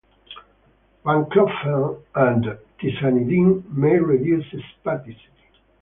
Baclofen and tizanidine may reduce spasticity.